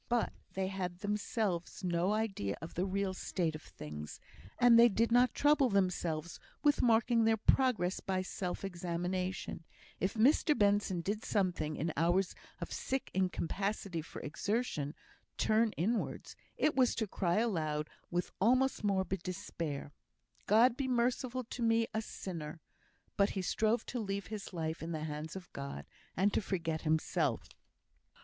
But they had themselves no idea of the real state of things; they did not trouble themselves with marking their progress by self examination; if Mr Benson did sometimes, in hours of sick incapacity for exertion, turn inwards, it was to cry aloud with almost morbid despair, "God be merciful to me a sinner!" But he strove to leave his life in the hands of God, and to forget himself.